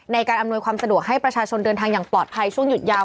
ในการอำนวยความสะดวกให้ประชาชนเดินทางอย่างปลอดภัยช่วงหยุดยาว